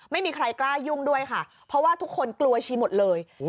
ไม่มีใครกล้ายุ่งด้วยค่ะเพราะว่าทุกคนกลัวชีหมดเลย